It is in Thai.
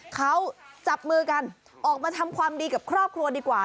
เขาจับมือกันออกมาทำความดีกับครอบครัวดีกว่า